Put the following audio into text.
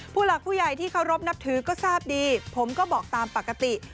ผู้หลักผู้ใหญ่ที่เคารพนับถือก็ทราบดีผมก็บอกตามปกติ